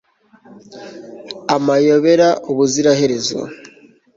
Amayobera ubuziraherezo